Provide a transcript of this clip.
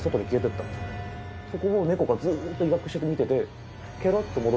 ここを猫がずっと威嚇して見てて。